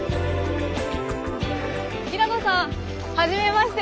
平野さんはじめまして。